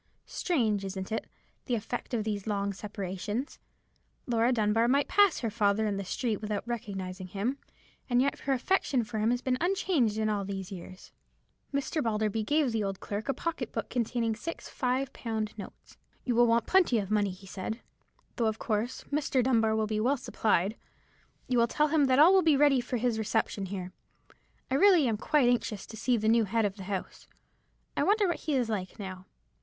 Strange, isn't it, the effect of these long separations? Laura Dunbar might pass her father in the street without recognizing him, and yet her affection for him has been unchanged in all these years." Mr. Balderby gave the old clerk a pocket book containing six five pound notes. "You will want plenty of money," he said, "though, of course, Mr. Dunbar will be well supplied. You will tell him that all will be ready for his reception here. I really am quite anxious to see the new head of the house. I wonder what he is like, now.